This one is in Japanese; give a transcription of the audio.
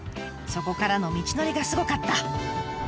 そこからの道のりがすごかった！